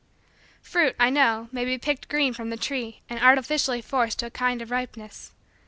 Fruit, I know, may be picked green from the tree and artificially forced to a kind of ripeness.